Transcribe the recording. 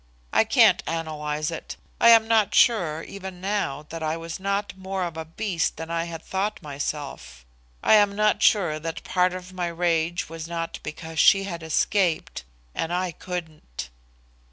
I can't analyse it. I am not sure, even now, that I was not more of a beast that I had thought myself. I am not sure that part of my rage was not because she had escaped and I couldn't."